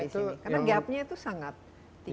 karena gapnya itu sangat tinggi sekali